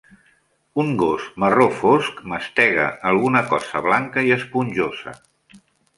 Un gos marró fosc mastega alguna cosa blanca i esponjosa.